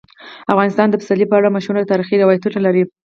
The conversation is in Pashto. افغانستان د پسرلی په اړه مشهور تاریخی روایتونه لري.